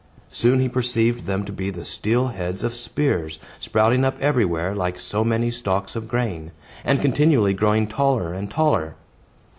Soon he perceived them to be the steel heads of spears, sprouting up everywhere like so many stalks of grain, and continually growing taller and taller.